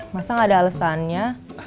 masa enggak ada alesannya